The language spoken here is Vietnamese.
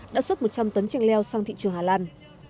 đã xuất một trăm linh tấn chanh leo sang thị trường hà lan